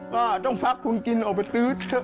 ก็ต้องฟักทุนกินออกไปซื้อเติมอีกแล้วครับ